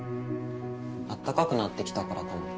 あったかくなってきたからかな。